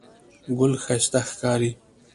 ګل ښایسته ښکاري.